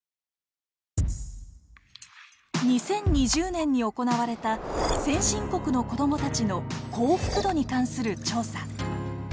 ２０２０年に行われた先進国の子どもたちの幸福度に関する調査。